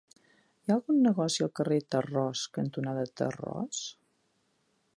Hi ha algun negoci al carrer Tarròs cantonada Tarròs?